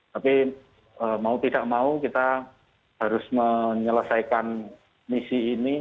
tapi mau tidak mau kita harus menyelesaikan misi ini